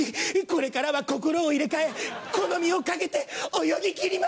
これからは心を入れ替えこの身を懸けて泳ぎ切ります！